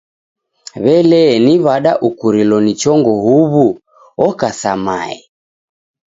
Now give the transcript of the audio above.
W'ele ni w'ada ukurilo ni chongo huw'u? Oka sa mae.